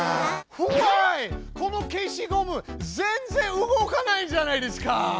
この消しゴム全然動かないじゃないですか！